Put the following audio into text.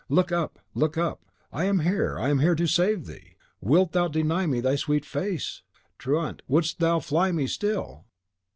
"Look up, look up! I am here, I am here to save thee! Wilt thou deny to me thy sweet face? Truant, wouldst thou fly me still?"